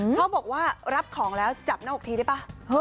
เขาบอกว่ารับของแล้วจับหน้าอกทีได้ป่ะ